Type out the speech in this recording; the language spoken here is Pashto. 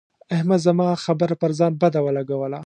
احمد زما خبره پر ځان بده ولګوله.